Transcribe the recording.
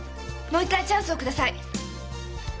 もう一回チャンスを下さい。